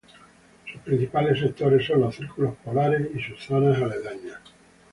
Sus principales sectores son los círculos polares y sus zonas aledañas.